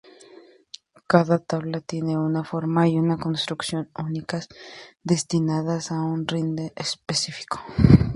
Cada tabla tiene una forma y una construcción únicas destinadas a un rider específico.